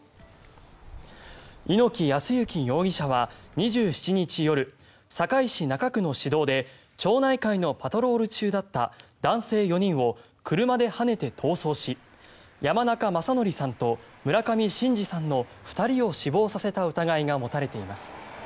猪木康之容疑者は２７日夜堺市中区の市道で町内会のパトロール中だった男性４人を車ではねて逃走し山中正規さんと村上伸治さんの２人を死亡させた疑いが持たれています。